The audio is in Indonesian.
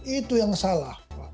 itu yang salah